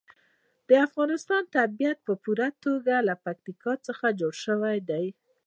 د افغانستان طبیعت په پوره توګه له پکتیکا څخه جوړ شوی دی.